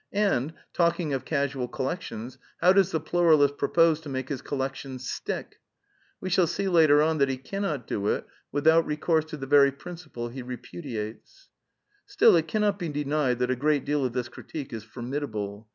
And, talk ing of casual collections, how does the pluralist propose to make his collections stick i We shall see later on tiiat he cannot do it without recourse to the very principle he re pudiates. Still, it cannot be denied that a great deal of this critique is formidable.